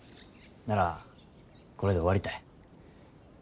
ならこれで終わりたい。